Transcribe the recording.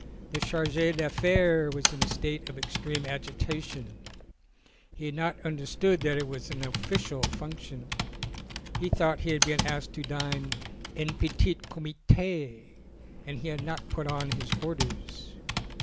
The Charge d' Affaires was in a state of extreme agita tion ; he had not understood that it was an official function, he thought he had been asked to dine en petit comitS, and he had not put on his orders.